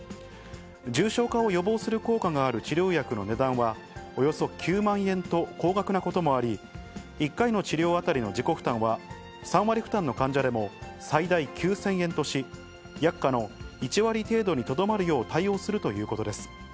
重症化を予防する効果がある治療薬の値段は、およそ９万円と高額なこともあり、１回の治療当たりの自己負担は、３割負担の患者でも最大９０００円とし、薬価の１割程度にとどまるよう対応するということです。